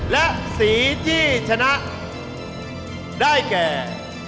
และสีที่ชนะได้แก่